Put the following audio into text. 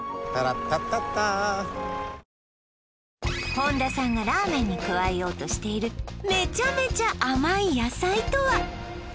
本田さんがラーメンに加えようとしているめちゃめちゃ甘い野菜とは？